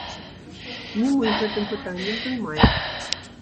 Не мы гэтым пытаннем займаемся.